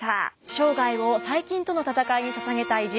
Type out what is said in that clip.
生涯を細菌との闘いに捧げた偉人